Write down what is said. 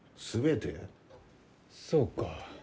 そうか。